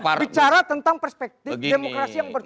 bicara tentang perspektif demokrasi yang bertemu bertemu